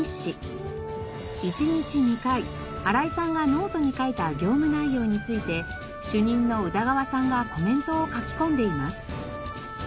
１日２回荒井さんがノートに書いた業務内容について主任の宇田川さんがコメントを書き込んでいます。